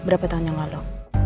di petang yang lalu